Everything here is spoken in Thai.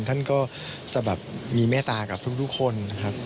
ท่านก็จะแบบมีเมตตากับทุกคนนะครับ